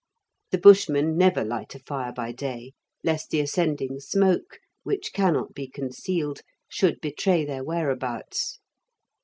The Bushmen never light a fire by day, lest the ascending smoke, which cannot be concealed, should betray their whereabouts.